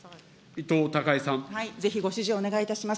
ぜひご指示をお願いいたします。